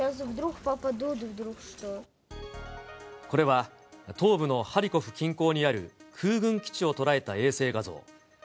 これは東部のハリコフ近郊にある空軍基地を捉えた衛星画像。